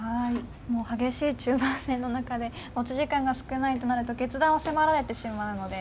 もう激しい中盤戦の中で持ち時間が少ないとなると決断を迫られてしまうので。